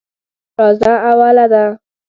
راځه اوله ده.